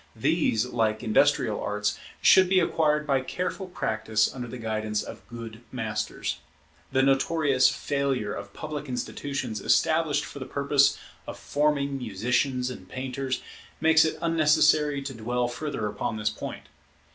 These, like industrial arts, should be acquired by careful practice under the guidance of good masters. The notorious failure of public institutions established for the purpose of forming musicians and painters, makes it unnecessary to dwell further upon this point.